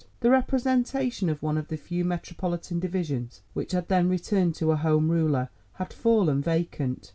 The representation of one of the few Metropolitan divisions which had then returned a Home Ruler had fallen vacant.